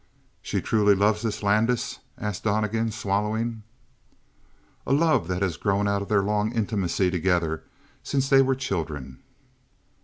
"She truly loves this Landis?" asked Donnegan, swallowing. "A love that has grown out of their long intimacy together since they were children."